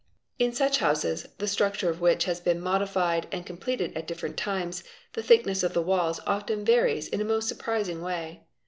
In such houses, the structure of which has been modified and completed at different times, the thickness of the walls often varies in a most surprising way.